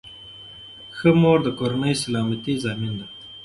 ښه مور د کورنۍ سلامتۍ ضامن ده.